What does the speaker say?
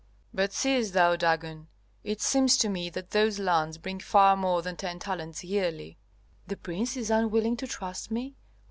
"But seest thou, Dagon, it seems to me that those lands bring far more than ten talents yearly." "The prince is unwilling to trust me?